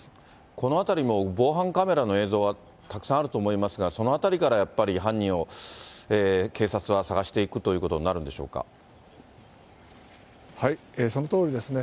この辺りも防犯カメラの映像はたくさんあると思いますが、そのあたりからやっぱり、犯人を警察は捜していくということになるそのとおりですね。